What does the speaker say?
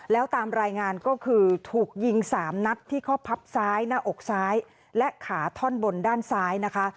แล้วตามรายงานก็คือถูกยิง๓นัดที่ข้อพับซ้ายหน้าอกซ้ายและขาท่อนบนด้านซ้ายนะคะ